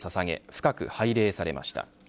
深く拝礼されました。